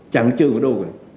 chẳng trừ ở đâu